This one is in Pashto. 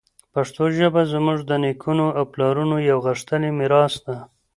پښتو ژبه زموږ د نیکونو او پلارونو یوه غښتلې میراث ده.